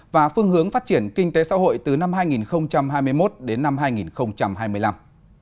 và phương hướng phát triển kinh tế xã hội từ năm hai nghìn hai mươi một đến năm hai nghìn hai mươi năm